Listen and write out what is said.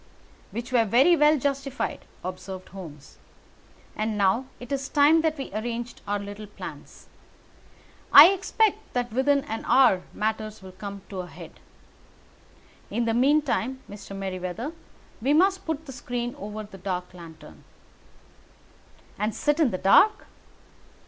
"Which were very well justified," observed Holmes. "And now it is time that we arranged our little plans. I expect that within an hour matters will come to a head. In the meantime Mr. Merryweather, we must put the screen over that dark lantern." "And sit in the dark?"